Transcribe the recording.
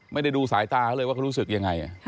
ไม่ได้ดูสายตาเขาเลยว่าเขารู้สึกยังไง